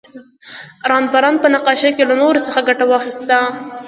رامبراند په نقاشۍ کې له نور څخه ګټه واخیسته.